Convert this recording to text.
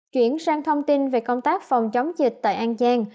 chuyển sang thông tin về công tác phòng chống dịch tại an giang